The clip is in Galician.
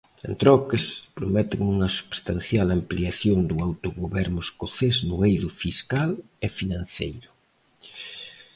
En troques, prometen unha substancial ampliación do autogoberno escocés no eido fiscal e financeiro.